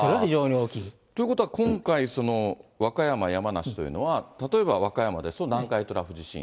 ということは、今回、和歌山、山梨というのは、例えば和歌山ですと、南海トラフ地震。